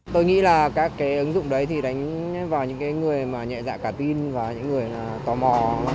tôi nghĩ là các cái ứng dụng đấy thì đánh vào những người mà nhẹ dạ cả tin và những người tò mò